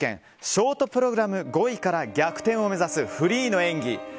ショートプログラム５位から逆転を目指すフリーの演技。